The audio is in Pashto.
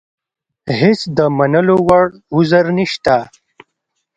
هېڅ د منلو وړ عذر نشته.